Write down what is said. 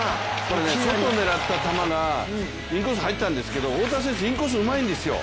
外狙った球がインコース入ったんですけれども太田選手インコースうまいんですよ。